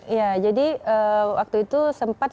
iya jadi waktu itu sempat